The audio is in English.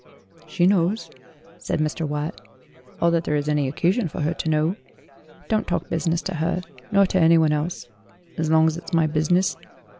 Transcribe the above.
"She knows," said Mr. Watt, "all that there is any occasion for her to know. Don't talk business to her nor to anyone else, as long as it's my business."